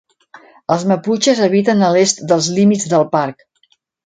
Els maputxes habiten a l'est dels límits del parc.